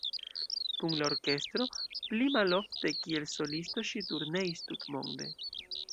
Kun la orkestro, pli malofte kiel solisto ŝi turneis tutmonde.